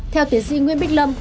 theo tiến sĩ nguyên bích lâm